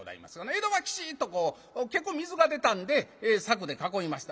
江戸はきちっとこう結構水が出たんで柵で囲いました。